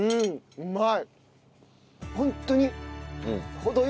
うまい。